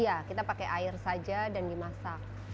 iya kita pakai air saja dan dimasak